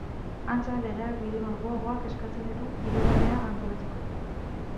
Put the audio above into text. Antza, legeak bide malguagoak eskaintzen ditu Hirigunea antolatzeko.